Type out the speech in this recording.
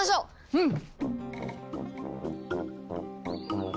うん！